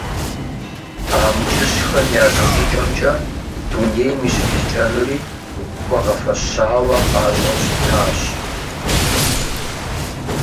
АмкӀыщхэм я зыщӀыкӀэмкӀэ, дунейм и щытыкӀэнури хуэгъэфэщауэ къащӀэу щытащ.